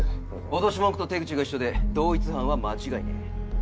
脅し文句と手口が一緒で同一犯は間違いねえ。